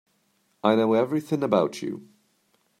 I know everything about you.